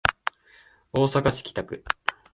大阪市北区